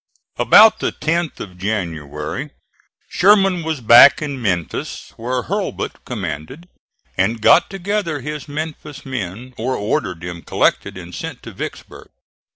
About the 10th of January Sherman was back in Memphis, where Hurlbut commanded, and got together his Memphis men, or ordered them collected and sent to Vicksburg.